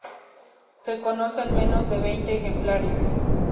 Se conocen menos de veinte ejemplares.